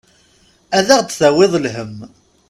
Ad aɣ-d-tawiḍ lhemm.